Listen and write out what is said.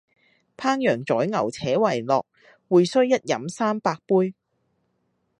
烹羊宰牛且為樂，會須一飲三百杯